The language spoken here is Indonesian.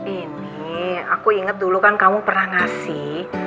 ini aku inget dulu kan kamu pernah ngasih